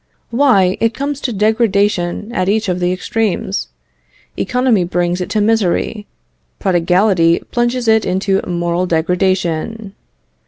Why, it comes to degradation at each of the extremes: economy brings it to misery; prodigality plunges it into moral degradation.